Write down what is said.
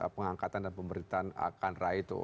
pengangkatan dan pemberitaan akanra itu